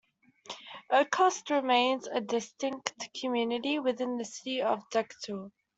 Oakhurst remains a distinct community within the City of Decatur.